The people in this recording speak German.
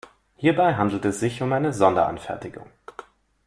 Hierbei handelt es sich um eine Sonderanfertigung.